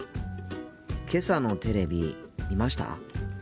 けさのテレビ見ました？